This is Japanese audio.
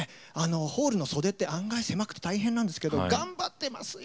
ホールの袖って案外狭くて大変なんですけど頑張ってますよ